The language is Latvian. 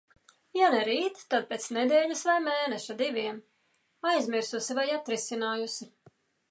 Ja ne rīt, tad pēc nedēļas vai mēneša, diviem. Aizmirsusi vai atrisinājusi.